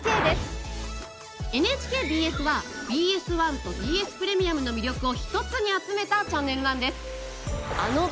ＮＨＫＢＳはＢＳ１とＢＳプレミアムの魅力を一つに集めたチャンネルなんです。